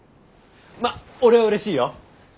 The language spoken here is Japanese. まっ俺はうれしいよ。